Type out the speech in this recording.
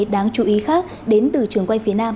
đáng chú ý khác đến từ trường quay phía nam